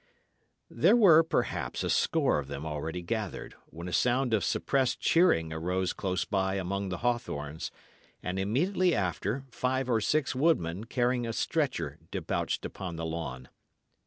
There were, perhaps, a score of them already gathered, when a sound of suppressed cheering arose close by among the hawthorns, and immediately after five or six woodmen carrying a stretcher debauched upon the lawn.